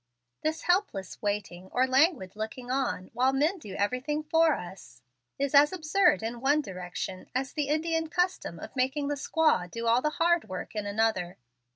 This helpless waiting, or languid looking on, while men do everything for us, is as absurd in one direction as the Indian custom of making the squaw do all the hard work in another.